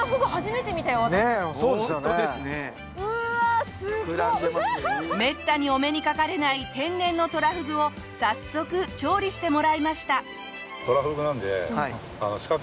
めったにお目にかかれない天然のトラフグを早速調理してもらいました。